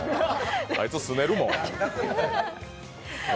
あいつ、すねるもん。